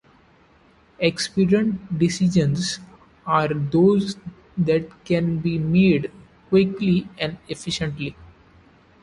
Expedient decisions are those that can be made quickly and efficiently.